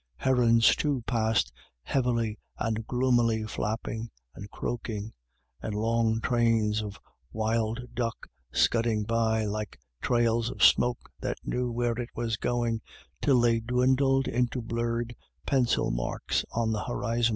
Herons, too, passed, heavily and gloomily flapping and croaking ; and long trains of wild duck, scudding by like trails of smoke that knew where it was going, till they dwindled into blurred pencil marks on the horizon.